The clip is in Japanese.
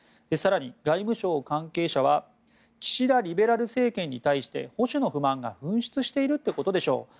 更に外務省関係者は岸田リベラル政権に対して保守の不満が噴出しているということでしょう。